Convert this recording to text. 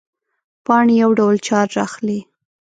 پاڼې یو ډول چارج اخلي.